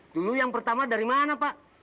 dulu yang pertama dari mana pak